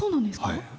はい。